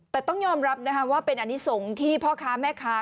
แต่ต้องยอมรับนะคะว่าเป็นอนิสงฆ์ที่พ่อค้าแม่ค้า